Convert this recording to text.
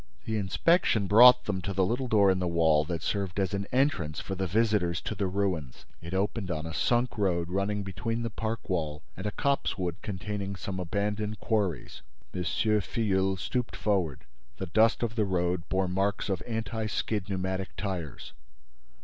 The inspection brought them to the little door in the wall that served as an entrance for the visitors to the ruins. It opened on a sunk road running between the park wall and a copsewood containing some abandoned quarries. M. Filleul stooped forward: the dust of the road bore marks of anti skid pneumatic tires.